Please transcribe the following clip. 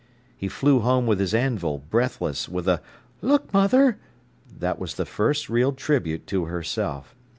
He flew home with his anvil, breathless, with a "Look, mother!" That was the first real tribute to herself.